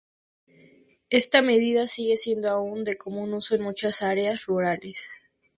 Esta medida sigue siendo aún de común uso en muchas áreas rurales.